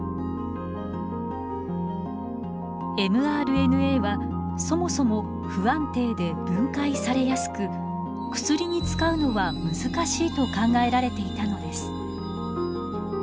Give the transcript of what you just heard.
ｍＲＮＡはそもそも不安定で分解されやすく薬に使うのは難しいと考えられていたのです。